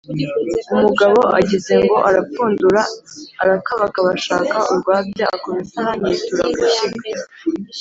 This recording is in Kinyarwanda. umugabo agizengo arapfundura, arakabakaba ashaka urwabya, akoma isahani yitura ku ishyiga,